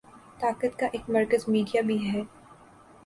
طاقت کا ایک مرکز میڈیا بھی ہے۔